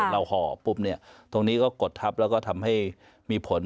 ห่อปุ๊บตรงนี้ก็กดทับแล้วก็ทำให้มีผล